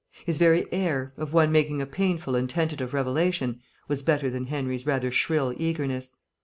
His very air, of one making a painful and tentative revelation, was better than Henry's rather shrill eagerness.